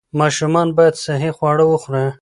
ماشومان باید صحي خواړه وخوري.